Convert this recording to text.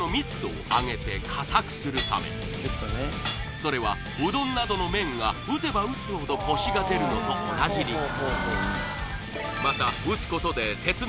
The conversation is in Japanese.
それはうどんなどの麺が打てば打つほどコシが出るのと同じ理屈。